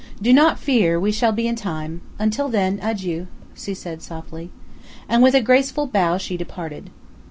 Do not fear; we shall be in time. Until then adieu," she said softly. And, with a graceful bow, she departed.